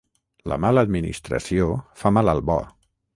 La mala administració fa mal al bo.